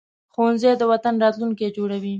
ښوونځی د وطن راتلونکی جوړوي